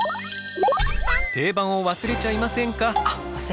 定番を忘れちゃいませんか？